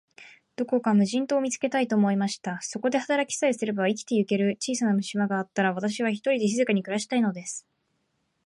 どこか無人島を見つけたい、と思いました。そこで働きさえすれば、生きてゆける小さな島があったら、私は、ひとりで静かに暮したいのです。